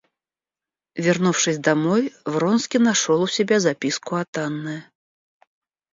Вернувшись домой, Вронский нашел у себя записку от Анны.